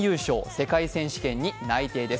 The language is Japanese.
世界選手権に内定です。